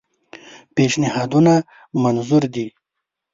پېشنهادونه منظور دي.